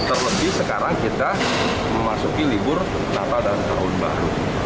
terlebih sekarang kita memasuki libur natal dan tahun baru